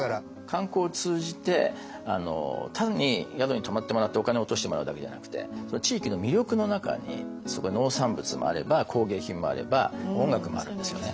観光を通じて単に宿に泊まってもらってお金を落としてもらうだけじゃなくてその地域の魅力の中にそこの農産物もあれば工芸品もあれば音楽もあるんですよね。